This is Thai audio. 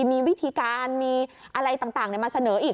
มีวิธีการมีอะไรต่างมาเสนออีก